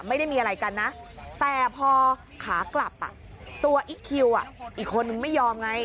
ไม่ได้มีอะไรกันนะแต่พอขากลับตัวอิ๊กคิวอีกคนนึงไม่ยอมไง